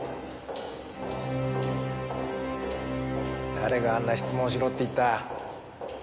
誰があんな質問をしろって言った？